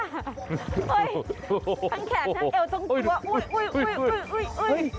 โหเห็นไหมเเอลตรงตัวโอ๊ย